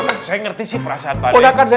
saya ngerti sih perasaan pak de